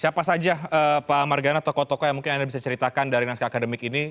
siapa saja pak margana tokoh tokoh yang mungkin anda bisa ceritakan dari naskah akademik ini